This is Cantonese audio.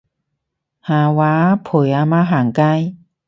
下晝陪阿媽行街